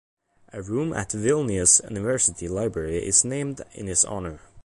A room at Vilnius University library is named in his honor.